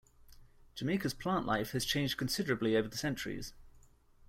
Jamaica's plant life has changed considerably over the centuries.